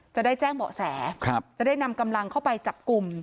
จะได้แจ้งเบาะแสจะได้นำกำลังเข้าไปจับกลุ่ม